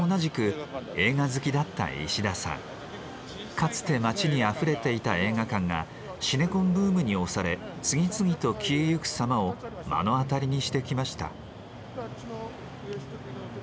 かつて街にあふれていた映画館がシネコンブームに押され次々と消えゆく様を目の当たりにしてきました。